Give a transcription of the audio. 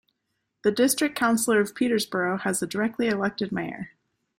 The District Council of Peterborough has a directly-elected mayor.